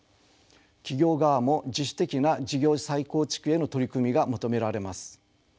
企業側も自主的な事業再構築への取り組みが求められます。